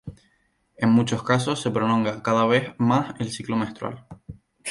En muchos casos, se prolonga cada vez más el ciclo menstrual.